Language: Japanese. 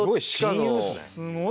すごい！